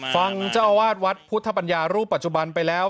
ฟังเจ้าอาวาสวัดพุทธปัญญารูปปัจจุบันไปแล้ว